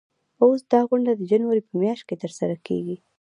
اوس دا غونډه د جنوري په میاشت کې ترسره کیږي.